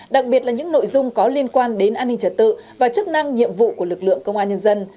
đặc biệt là những nội dung có liên quan đến an ninh trật tự và chức năng nhiệm vụ của lực lượng công an nhân dân